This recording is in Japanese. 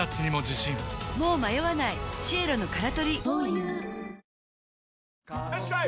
よしこい！